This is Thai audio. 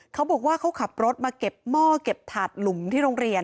เขาบอกว่าเขาขับรถมาเก็บหม้อเก็บถาดหลุมที่โรงเรียน